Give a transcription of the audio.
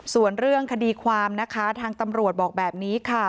ส่วนเรื่องคดีความนะคะทางตำรวจบอกแบบนี้ค่ะ